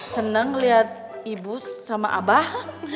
senang melihat ibu sama abah